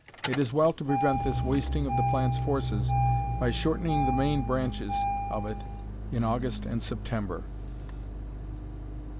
It is well to prevent this wasting of the plant's forces by shortening the main branches of it in August and September.